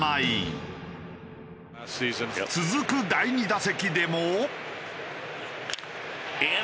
続く第２打席でも。